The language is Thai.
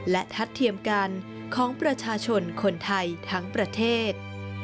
และทัดเทียมกันของประชาชนคนไทยทั้งประเทศ